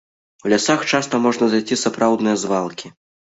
У лясах часта можна знайсці сапраўдныя звалкі.